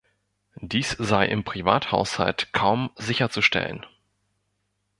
Dies sei im Privathaushalt kaum sicherzustellen.